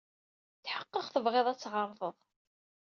Tḥeqqeɣ tebɣiḍ ad t-tɛerḍeḍ.